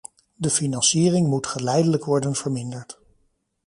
De financiering moet geleidelijk worden verminderd.